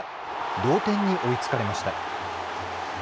同点に追いつかれました。